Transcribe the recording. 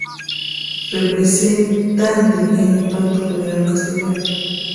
Representante en el Pacto Federal Castellano.